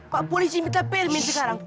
pak polisi minta permen sekarang